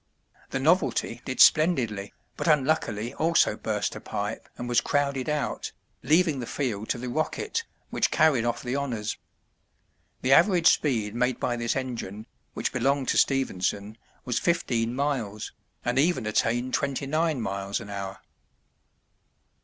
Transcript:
The "Novelty" did splendidly, but unluckily also burst a pipe, and was crowded out, leaving the field to the "Rocket," which carried off the honors. The average speed made by this engine, which belonged to Stephenson, was fifteen miles, and even attained twenty nine miles an hour.